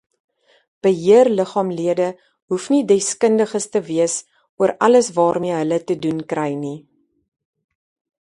Beheerliggaamlede hoef nie deskundiges te wees oor alles waarmee hulle te doen kry nie.